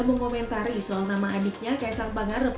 mengomentari soal nama adiknya kaisang pangarep